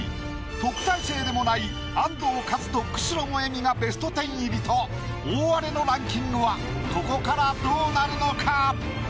特待生でもない安藤和津と久代萌美がベスト１０入りと大荒れのランキングはこれからどうなるのか？